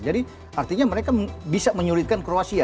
jadi artinya mereka bisa menyulitkan kroasia